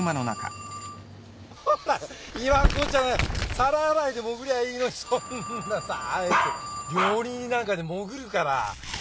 皿洗いで潜りゃいいのにそんなさあえて料理人なんかで潜るから。